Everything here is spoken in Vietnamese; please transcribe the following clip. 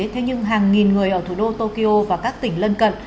thế nhưng hàng nghìn người ở thủ đô tokyo và các tỉnh lân cận